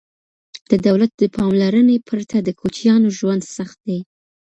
د دولت د پاملرنې پرته د کوچیانو ژوند سخت دی.